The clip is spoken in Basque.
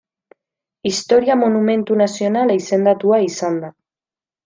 Historia Monumentu Nazionala izendatua izan da.